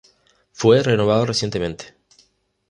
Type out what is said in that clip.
Fue renovado recientemente.